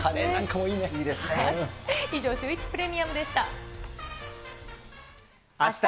以上、シューイチプレミアムでした。